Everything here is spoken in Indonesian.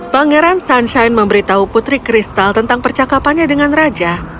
pangeran sunshine memberitahu putri kristal tentang percakapannya dengan raja